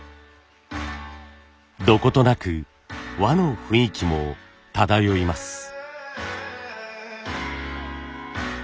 どことなく和の雰囲気も漂います。